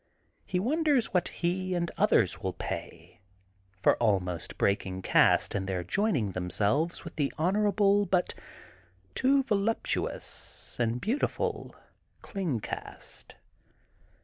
He wonders what he and others will pay, for almost breaking caste in their joining themselves with the honorable but too voluptuous and beautiful Kling caste.